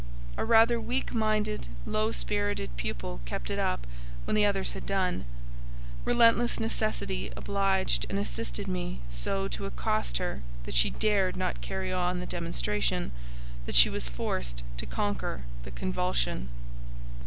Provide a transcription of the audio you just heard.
A rather weak minded, low spirited pupil kept it up when the others had done; relentless necessity obliged and assisted me so to accost her, that she dared not carry on the demonstration, that she was forced to conquer the convulsion.